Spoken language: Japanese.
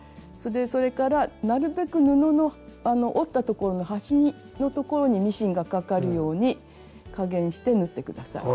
それからなるべく布の折った所の端の所にミシンがかかるように加減して縫って下さい。